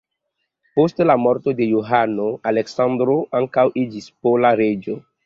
Post la morto de Johano, Aleksandro ankaŭ iĝis pola reĝo.